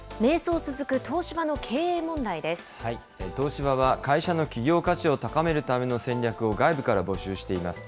東芝は会社の企業価値を高めるための戦略を、外部から募集しています。